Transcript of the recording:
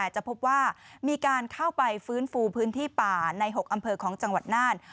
จะพบว่ามีการเข้าไปฟื้นฟูพื้นที่ป่าใน๖อำเภอของจังหวัดน่าน